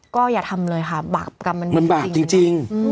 ก็อย่าทำเลยค่ะบาปกรรมมันบาปจริง